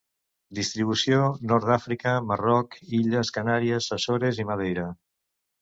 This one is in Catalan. Distribució: nord d'Àfrica, Marroc, illes Canàries, Açores i Madeira.